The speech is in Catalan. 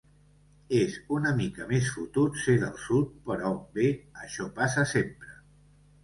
És una mica més fotut ser del sud, però, bé, això passa sempre.